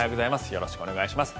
よろしくお願いします。